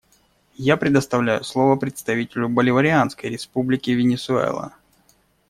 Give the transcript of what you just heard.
Я предоставляю слово представителю Боливарианской Республики Венесуэла.